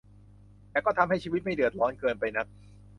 แต่ก็ทำให้ชีวิตไม่เดือดร้อนเกินไปนัก